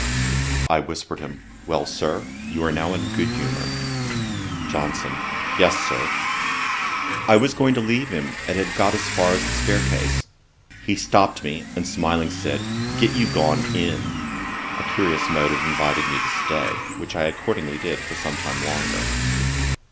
I whispered him, 'Well, Sir, you are now in good humour.' JOHNSON. 'Yes, Sir.' I was going to leave him, and had got as far as the staircase. He stopped me, and smiling, said, 'Get you gone in;' a curious mode of inviting me to stay, which I accordingly did for some time longer.